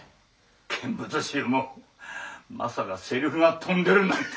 見物衆もまさかセリフが飛んでるなんて。